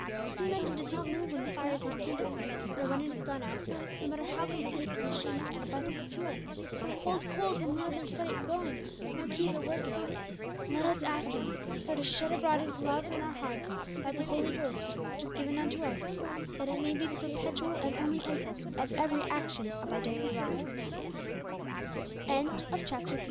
The steam engine does not move when the fire is not kindled, nor when it is gone out; no matter how complete the machinery and abundant the fuel, cold coals will neither set it going nor keep it working. Let us ask Him so to shed abroad His love in our hearts by the Holy Ghost which is given unto us, that it may be the perpetual and only impulse of every action of our daily life. Chapter IV. Our Feet